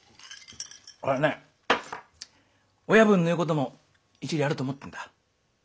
俺はね親分の言うことも一理あると思ってるんだ。